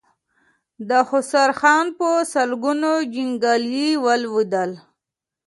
د خسرو خان په سلګونو جنګيالي ولوېدل.